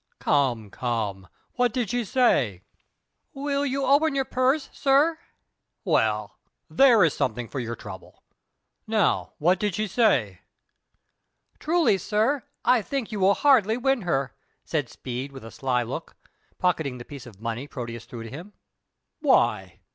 "Come, come, what did she say?" "If you will open your purse, sir...." "Well, there is something for your trouble. Now, what did she say?" "Truly, sir, I think you will hardly win her," said Speed with a sly look, pocketing the piece of money Proteus threw to him. "Why?